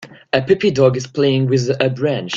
A puppy dog is playing with a branch.